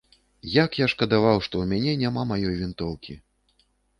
Як я шкадаваў, што ў мяне няма маёй вінтоўкі.